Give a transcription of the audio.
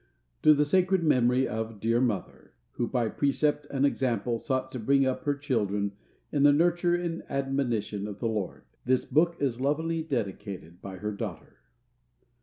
TO THE SACRED MEMORY OF THE Dear Mother, WHO BY PRECEPT AND EXAMPLE SOUGHT TO BRING UP HER CHILDREN IN "THE NURTURE AND ADMONITION OF THE LORD"; THIS BOOK IS LOVINGLY DEDICATED BY HER DAUGHTER.